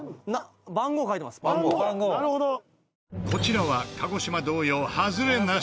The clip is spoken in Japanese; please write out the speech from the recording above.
こちらは鹿児島同様外れなし。